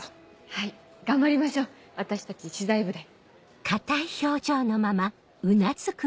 はい頑張りましょう私たち知財部で。